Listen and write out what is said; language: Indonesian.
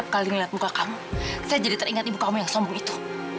kok kamu melambun begitu